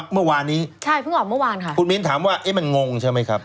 คุณมินถามว่าเนี่ยมันงงใช่ไหมครับ